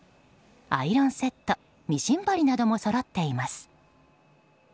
アイロンセットミシン針などもそろっています。